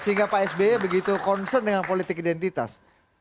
sehingga pak sby begitu concern dengan politik identitas